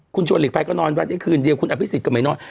คุณชวนหลี๋ฟัยก็นอนบ้านเลี้ยงคืนเดียวคุณอพิศนิจก็ไม่นอน